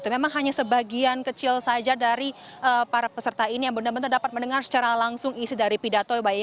memang hanya sebagian kecil saja dari para peserta ini yang benar benar dapat mendengar secara langsung isi dari pidato